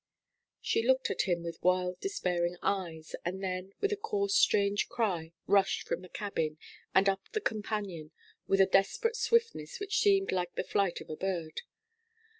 She looked at him with wild despairing eyes, and then, with a hoarse strange cry, rushed from the cabin, and up the companion, with a desperate swiftness which seemed like the flight of a bird.